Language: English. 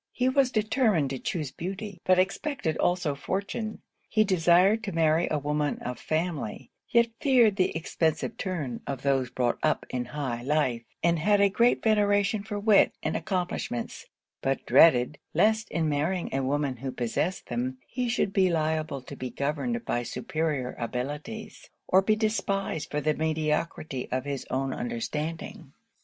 He was determined to chuse beauty, but expected also fortune. He desired to marry a woman of family, yet feared the expensive turn of those brought up in high life; and had a great veneration for wit and accomplishments, but dreaded, lest in marrying a woman who possessed them, he should be liable to be governed by superior abilities, or be despised for the mediocrity of his own understanding.